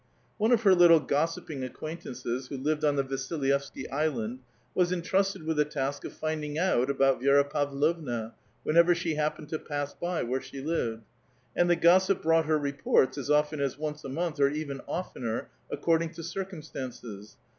One of her little gossiping acquaintances, who lived on the Va>ilvevskv Islaml, was entrusted with the task of fuuling out aUiut Vi6ra Pavlovna, whenever she happened to p:iss by wliere she lived ; and the gossip bi*oug!it her reports, as often as once a month, or even oftener, aceoi*ding to cir cumstances.